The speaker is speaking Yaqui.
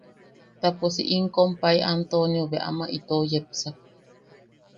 Ta pos si im kompai Antonio bea ama itou yepsak.